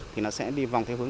thì nó sẽ đi vòng theo hướng